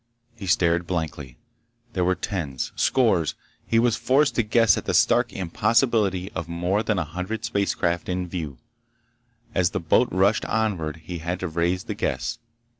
He stared, blankly. There were tens— Scores— He was forced to guess at the stark impossibility of more than a hundred spacecraft in view. As the boat rushed onward he had to raise the guess.